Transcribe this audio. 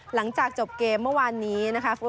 หลังจากจบเกมเมื่อวานนี้นะคะ